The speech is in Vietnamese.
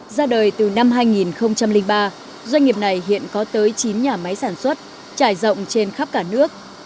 ra đời từ năm hai nghìn ba doanh nghiệp này hiện có tới chín nhà máy sản xuất trải rộng trên khắp cả nước